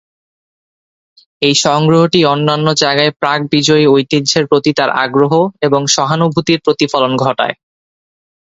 এই সংগ্রহটি অন্যান্য জায়গার প্রাক-বিজয়ী ঐতিহ্যের প্রতি তার আগ্রহ এবং সহানুভূতির প্রতিফলন ঘটায়।